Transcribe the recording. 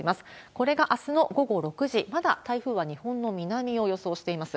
これがあすの午後６時、まだ台風は日本の南を予想しています。